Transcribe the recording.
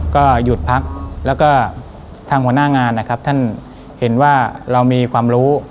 ก็หยุดพักแล้วก็ทางหัวหน้างานนะครับท่านเห็นว่าเรามีความรู้